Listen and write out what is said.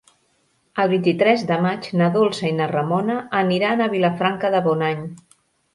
El vint-i-tres de maig na Dolça i na Ramona aniran a Vilafranca de Bonany.